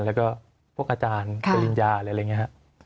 แล้วก็พวกอาจารย์เกรงญาอะไรอย่างนี้